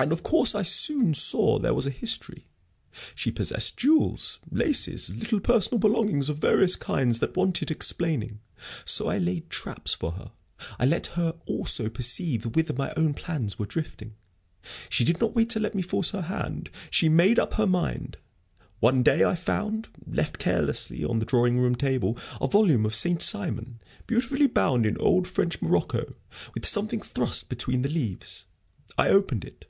And of course I soon saw there was a history. She possessed jewels, laces, little personal belongings of various kinds, that wanted explaining. So I laid traps for her; I let her also perceive whither my own plans were drifting. She did not wait to let me force her hand. She made up her mind. One day I found, left carelessly on the drawing room table, a volume of Saint Simon, beautifully bound in old French morocco, with something thrust between the leaves. I opened it.